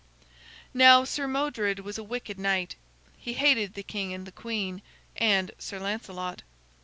Now Sir Modred was a wicked knight. He hated the king and the queen, and Sir Lancelot.